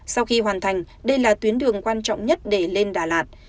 sau khi hoàn thành đây là tuyến đường quan trọng nhất để lên đà lạt